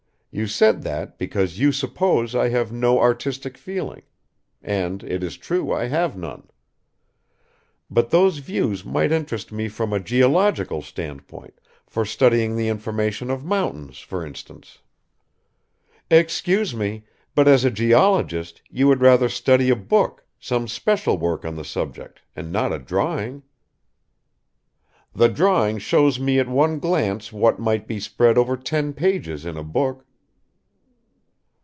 You said that because you suppose I have no artistic feeling and it is true I have none; but those views might interest me from a geological standpoint, for studying the formation of mountains, for instance." "Excuse me; but as a geologist, you would rather study a book, some special work on the subject and not a drawing." "The drawing shows me at one glance what might be spread over ten pages in a book."